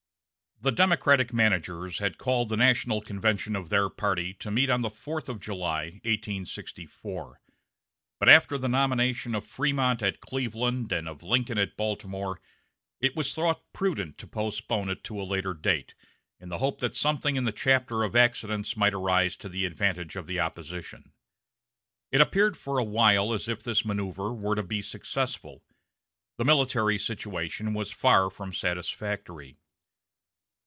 The Democratic managers had called the national convention of their party to meet on the fourth of July, 1864; but after the nomination of Frémont at Cleveland, and of Lincoln at Baltimore, it was thought prudent to postpone it to a later date, in the hope that something in the chapter of accidents might arise to the advantage of the opposition. It appeared for a while as if this manoeuver were to be successful. The military situation was far from satisfactory.